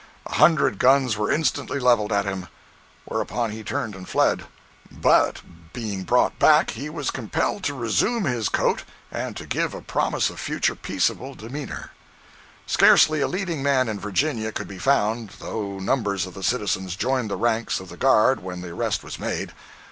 A hundred guns were instantly leveled at him; whereupon he turned and fled; but, being brought back, he was compelled to resume his coat, and to give a promise of future peaceable demeanor. Scarcely a leading man in Virginia could be found, though numbers of the citizens joined the ranks of the guard when the arrest was made.